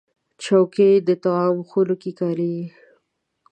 چوکۍ د طعام خونو کې کارېږي.